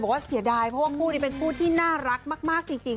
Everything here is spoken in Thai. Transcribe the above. บอกว่าเสียดายพวกผู้ที่เป็นผู้ที่น่ารักมากจริง